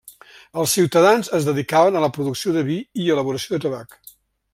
Els ciutadans es dedicaven a la producció de vi i elaboració de tabac.